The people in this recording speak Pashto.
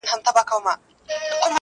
په درنو دروند، په سپکو سپک.